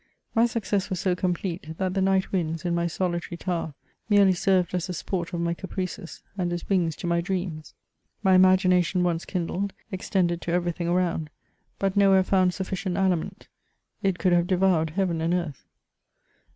My success was so complete, that the night winds, in my solitary tower, merely served as the sport of my caprices, aud as wings to my dreams. My imagination once kindled, extended to everything around, but nowhere found sufficient aliment ; it could have devoured heaven and earth.